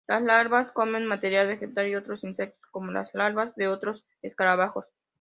Las larvas comen materia vegetal y otros insectos, como las larvas de otros escarabajos.